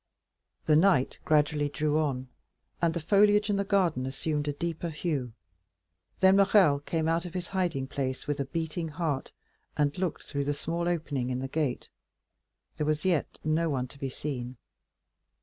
The night gradually drew on, and the foliage in the garden assumed a deeper hue. Then Morrel came out from his hiding place with a beating heart, and looked through the small opening in the gate; there was yet no one to be seen.